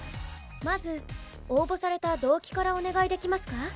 まず応募された動機からお願いできますか？